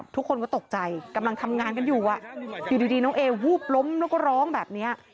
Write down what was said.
ทุกคนก็ตกใจกำลังทำงานกันอยู่อยู่ดีน้องเอวูบล้มแล้วก็ร้องแบบนี้